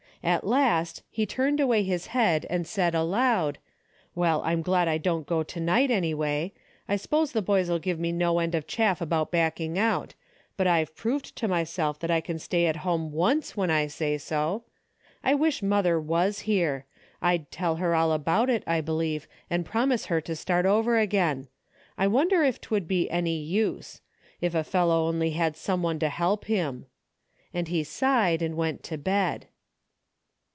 At last he turned away his head and said aloud, "Well, I'm glad I didn't go to night anyway. I s'pose the boys'll give me no end of chaff about backing out, but I've proved to myself that I can stay at home once when I say so. I wish mother was here. I'd tell her all about it, I believe, and promise her to start over again. I wonder if 'twould be any use ! If a fellow only had some one to help him !" and he sighed and went to bed.